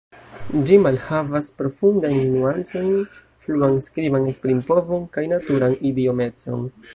Ĝi malhavas profundajn nuancojn, fluan skriban esprimpovon kaj naturan idiomecon.